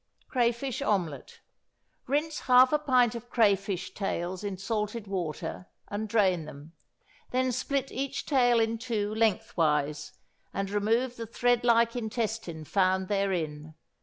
=Crayfish Omelet.= Rinse half a pint of crayfish tails in salted water, and drain them; then split each tail in two lengthwise, and remove the thread like intestine found therein.